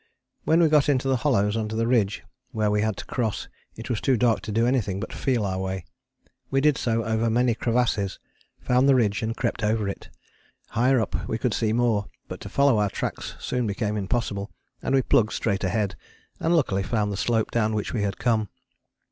When we got into the hollows under the ridge where we had to cross, it was too dark to do anything but feel our way. We did so over many crevasses, found the ridge and crept over it. Higher up we could see more, but to follow our tracks soon became impossible, and we plugged straight ahead and luckily found the slope down which we had come.